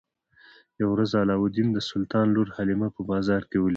یوه ورځ علاوالدین د سلطان لور حلیمه په بازار کې ولیده.